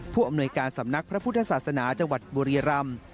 ผู้อำนวยการสำนักพระพุทธศาสนาจังหวัดบุรีรำ